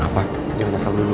pertama kali gue ngerjain